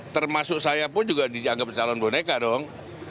termasuk saya pun juga dianggap calon boneka dong